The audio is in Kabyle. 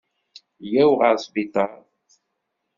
Yya-w ɣer sbiṭar.